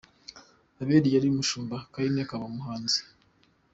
Abeli yari umushumba, Kayini akaba umuhinzi.